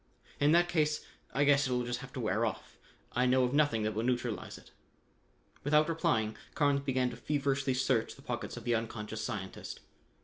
"In that case I guess it'll just have to wear off. I know of nothing that will neutralize it." Without replying, Carnes began to feverishly search the pockets of the unconscious scientist.